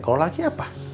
kalau laki apa